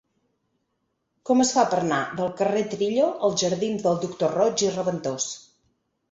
Com es fa per anar del carrer de Trillo als jardins del Doctor Roig i Raventós?